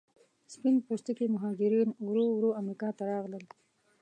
سپین پوستکي مهاجرین ورو ورو امریکا ته راغلل.